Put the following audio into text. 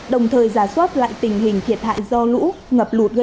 đồng thời giả soát lại tình hình thiệt hại do lũ ngập lụt gây ra